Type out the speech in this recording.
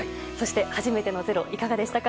初めての「ｚｅｒｏ」いかがでしたか？